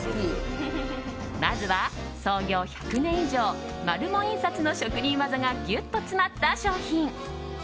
まずは創業１００年以上マルモ印刷の職人技がギュッと詰まった商品。